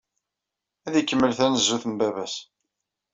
Ad ikemmel tanezzut n baba-s.